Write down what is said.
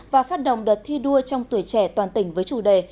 và phát động đợt thi đua trong tuổi trẻ toàn tỉnh với chủ đề